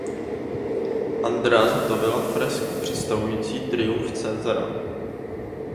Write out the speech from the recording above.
Andrea zhotovil fresku představující Triumf Caesara.